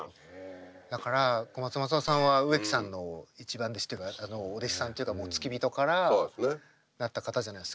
だから小松政夫さんは植木さんの一番弟子さんというかお弟子さんっていうか付き人からなった方じゃないですか。